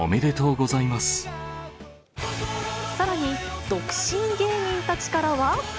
さらに、独身芸人たちからは。